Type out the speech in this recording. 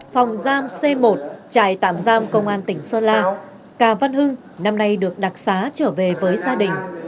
phòng giam c một trại tạm giam công an tỉnh sơn la cà văn hưng năm nay được đặc xá trở về với gia đình